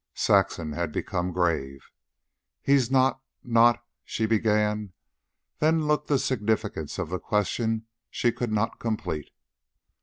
Saxon had become grave. "He's not... not..." she began, than looked the significance of the question she could not complete.